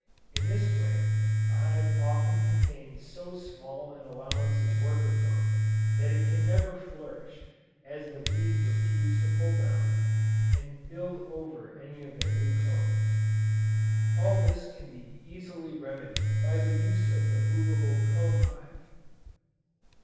In this way, a hive often contains so small an allowance of worker comb, that it can never flourish, as the bees refuse to pull down, and build over any of their old combs. All this can be easily remedied by the use of the movable comb hive.